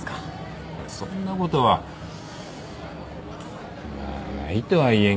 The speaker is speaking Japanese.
そんなことはまあないとは言えんけど。